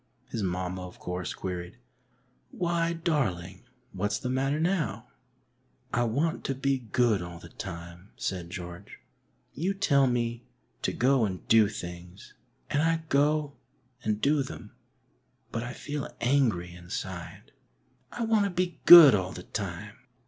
His mamma, of course, queried, " Why, darling, what's the matter now ?" ''I want to be good all the time," said George. You tell me to go and do things, and I go and do them, but I feel angry inside. I want to be good all the time."